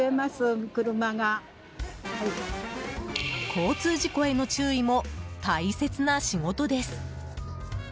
交通事故への注意も大切な仕事です。